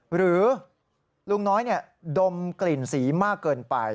หรือลุงน้อยดมกลิ่นสีมากเกินไป